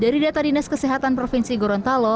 dari data dinas kesehatan provinsi gorontalo